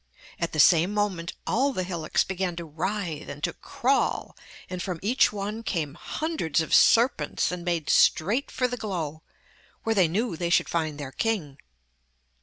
At the same moment all the hillocks began to writhe and to crawl, and from each one came hundreds of serpents and made straight for the glow, where they knew they should find their king.